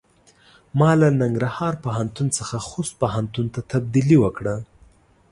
ما له ننګرهار پوهنتون څخه خوست پوهنتون ته تبدیلي وکړۀ.